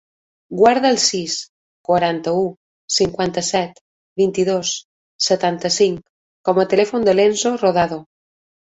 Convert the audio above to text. Guarda el sis, quaranta-u, cinquanta-set, vint-i-dos, setanta-cinc com a telèfon de l'Enzo Rodado.